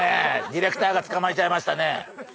ディレクターがつかまえちゃいましたね。